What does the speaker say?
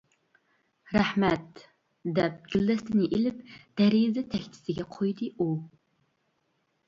-رەھمەت، -دەپ گۈلدەستىنى ئېلىپ دېرىزە تەكچىسىگە قويدى ئۇ.